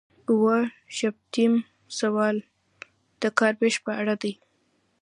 اووه شپیتم سوال د کار ویش په اړه دی.